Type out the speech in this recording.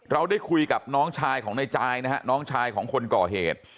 เราได้คุยกับน้องชายของในจายนะฮะน้องชายของคนก่อเหตุ